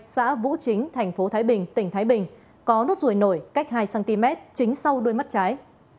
xã vũ chính tp thái bình tỉnh thái bình có nốt rùi nổi cách hai cm chính sau đuôi mắt trái